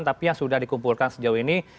tapi yang sudah dikumpulkan sejauh ini